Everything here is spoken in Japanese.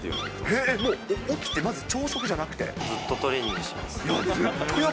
えっ、起きてまず朝食じゃなずっとトレーニングしてます。